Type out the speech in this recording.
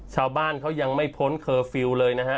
ชาวบ้านเขายังไม่พ้นเคอร์ฟิลล์เลยนะฮะ